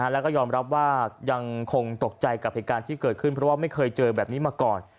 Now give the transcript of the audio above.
แล้วก็ยอมรับว่ายังคงตกใจกับเหตุการณ์ที่เกิดขึ้นเพราะว่าไม่เคยเจอแบบนี้มาก่อน